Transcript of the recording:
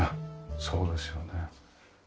そうですよね。